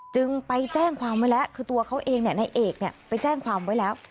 จึงไปแจ้งความไว้แล้วคือตัวเขาเองนายเอกไปแจ้งความไว้แล้ว